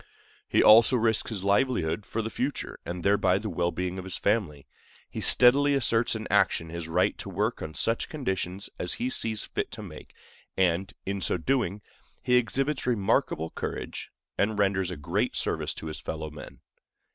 He also risks his livelihood for the future, and thereby the well being of his family. He steadily asserts in action his right to work on such conditions as he sees fit to make, and, in so doing, he exhibits remarkable courage, and renders a great service to his fellow men.